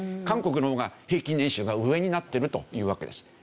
韓国の方が平均年収が上になってるというわけです。